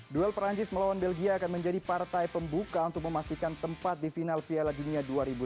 duel perancis melawan belgia akan menjadi partai pembuka untuk memastikan tempat di final piala dunia dua ribu delapan belas